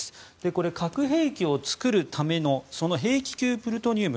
これ、核兵器を作るための兵器級プルトニウム